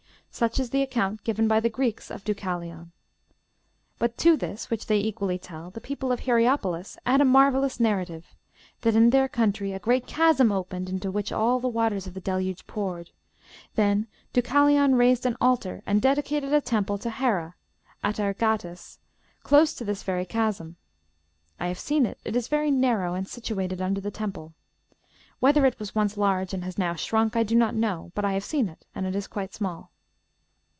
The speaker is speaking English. Such is the account given by the Greeks of Deucalion. "But to this, which they equally tell, the people of Hierapolis add a marvellous narrative: That in their country a great chasm opened, into which all the waters of the Deluge poured. Then Deucalion raised an altar, and dedicated a temple to Hera (Atargatis) close to this very chasm. I have seen it; it is very narrow, and situated under the temple. Whether it was once large, and has now shrunk, I do not know; but I have seen it, and it is quite small.